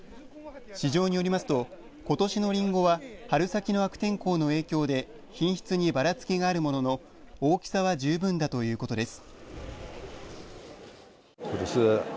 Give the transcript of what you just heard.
市場によりますとことしのりんごは春先の悪天候の影響で品質に、ばらつきがあるものの大きさは十分だということです。